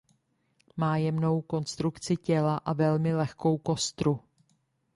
Má jemnou konstrukci těla a velmi lehkou kostru.